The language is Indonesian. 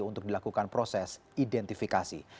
untuk dilakukan proses identifikasi